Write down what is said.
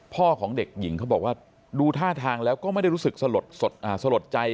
พ่อของเด็กหญิงเขาบอกว่าดูท่าทางแล้วก็ไม่ได้รู้สึกสลดใจ